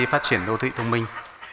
phát triển đô thị thông minh